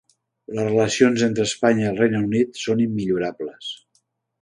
Les relacions entre Espanya i el Regne Unit són immillorables